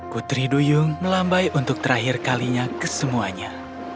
putri duyung melambai untuk terakhir kalinya ke semuanya